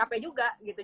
capek juga gitu